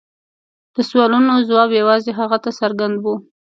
د سوالونو ځواب یوازې هغه ته څرګند و.